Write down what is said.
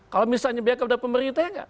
kalau misalnya biaya kepada pemerintah